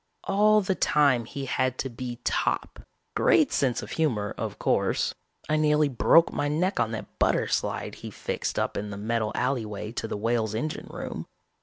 All the time he had to be top. Great sense of humor, of course. I nearly broke my neck on that butter slide he fixed up in the metal alleyway to the Whale's engine room.